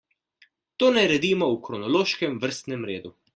To naredimo v kronološkem vrstnem redu.